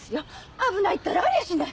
危ないったらありゃしない！